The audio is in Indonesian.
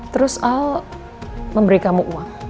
terus al memberi kamu uang